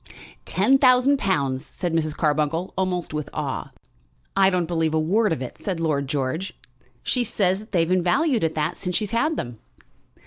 "Ten thousand pounds," said Mrs. Carbuncle, almost with awe. "I don't believe a word of it," said Lord George. "She says that they've been valued at that, since she's had them."